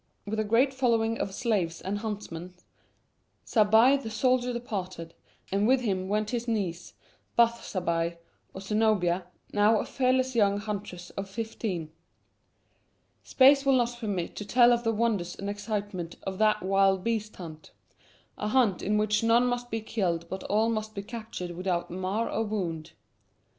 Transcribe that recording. With a great following of slaves and huntsmen, Zabbai the soldier departed, and with him went his niece, Bath Zabbai, or Zenobia, now a fearless young huntress of fifteen. Space will not permit to tell of the wonders and excitement of that wild beast hunt a hunt in which none must be killed but all must be captured without mar or wound.